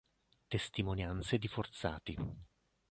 Testimonianze di forzati